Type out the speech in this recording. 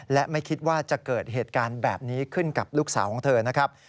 และไม่คิดว่าจะเกิดเหตุการณ์แบบนี้ขึ้นกับลูกสาวของเธอนะครับ